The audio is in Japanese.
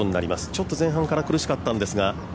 ちょっと前半から苦しかったんですが。